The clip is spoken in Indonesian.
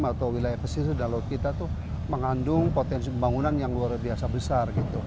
atau wilayah pesisir dan laut kita itu mengandung potensi pembangunan yang luar biasa besar gitu